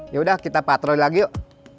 yaudah kita patroli lagi yuk